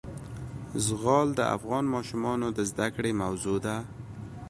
زغال د افغان ماشومانو د زده کړې موضوع ده.